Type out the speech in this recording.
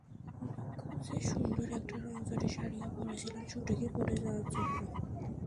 অনেক খুঁজে সুন্দর একটা রংচঙে শাড়িও পরেছিলাম শুটিংয়ে পরে যাওয়ার জন্য।